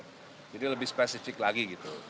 atau di mana jadi lebih spesifik lagi